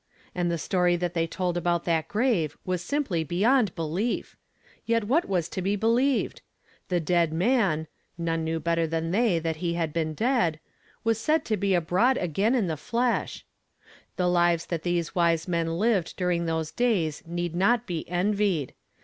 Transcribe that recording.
And the story that thev tow a out that grave was sin.ply ,eyo'nd belief! yet what was to be believed? The dead man none knew better than they that he had been dead was sa,d to be abroad again in the flesh The hves that these wise men lived during tho e days need not be envied.